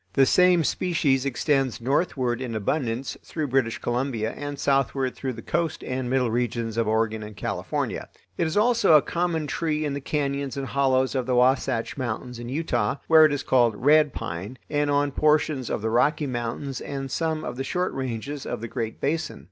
The same species extends northward in abundance through British Columbia and southward through the coast and middle regions of Oregon and California. It is also a common tree in the cañons and hollows of the Wahsatch Mountains in Utah, where it is called "red pine" and on portions of the Rocky Mountains and some of the short ranges of the Great Basin.